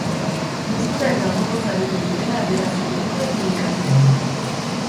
Gustura eta gogoz aritu direla adierazi digute bi ikasle hauek.